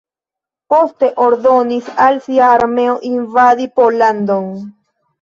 Poste ordonis al sia armeo invadi Pollandon.